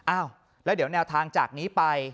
อ้าวแล้วเดี๋ยวแนวทางจากนี้ไป